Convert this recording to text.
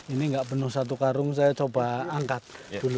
ini nggak penuh satu karung saya coba angkat dulu